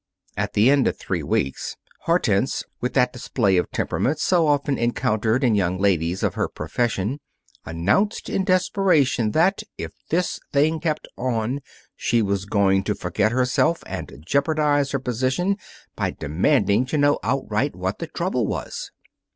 At the end of three weeks, Hortense, with that display of temperament so often encountered in young ladies of her profession, announced in desperation that, if this thing kept on, she was going to forget herself and jeopardize her position by demanding to know outright what the trouble was.